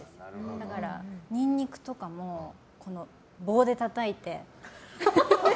だからニンニクとかも棒でたたいて。